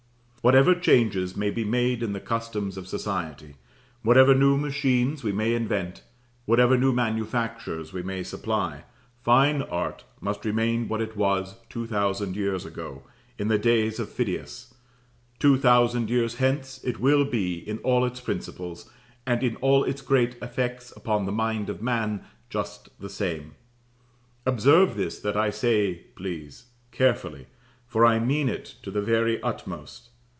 Whatever changes may be made in the customs of society, whatever new machines we may invent, whatever new manufactures we may supply, Fine Art must remain what it was two thousand years ago, in the days of Phidias; two thousand years hence, it will be, in all its principles, and in all its great effects upon the mind of man, just the same. Observe this that I say, please, carefully, for I mean it to the very utmost.